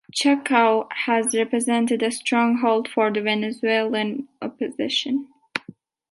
Chacao has represented a stronghold for the Venezuelan opposition.